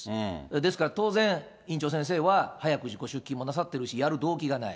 ですから当然、院長先生は早く自己出勤もなさっているし、やる動機がない。